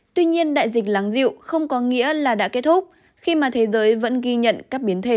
tuy nhiên đại dịch láng diệu không có nghĩa là đã kết thúc khi mà thế giới vẫn ghi nhận các biến thể